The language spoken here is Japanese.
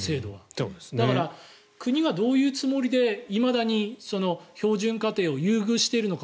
だから、国がどういうつもりでいまだに標準家庭を優遇しているのか